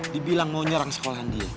dibilang mau nyerang sekolahan dia